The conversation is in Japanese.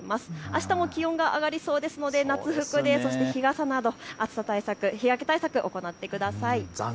あしたも気温が上がりそうですので夏服で日傘など暑さ対策、日焼け対策、行ってください。